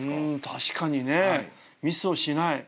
確かにねミスをしない。